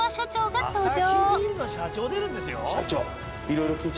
「アサヒビールの社長出るんですよ？」